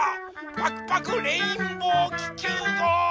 パクパクレインボーききゅうごう！